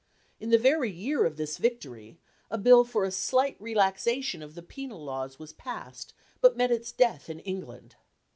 In the very year of this victory, a Bill for a slight relaxation of the penal laws was passed, but met its death in England.